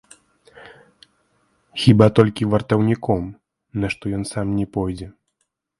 Хіба толькі вартаўніком, на што ён сам не пойдзе.